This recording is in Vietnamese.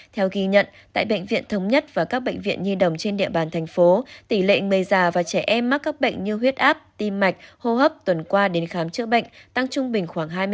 theo ghi nhận tại bệnh viện thống nhất và các bệnh viện nhi đồng trên địa bàn thành phố tỷ lệ người già và trẻ em mắc các bệnh như huyết áp tim mạch hô hấp tuần qua đến khám chữa bệnh tăng trung bình khoảng hai mươi